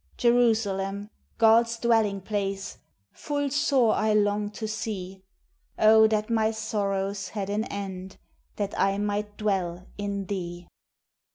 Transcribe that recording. Jerusalem, God's dwelling place, Full sore I long to see; Oh! that my sorrows had an end, That I might dwell in thee!